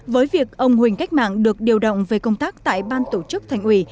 với việc ông huỳnh cách mạng được điều động về công tác tại ban tổ chức thành ủy